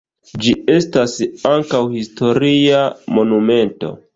Ĝi estas ankaŭ historia monumento.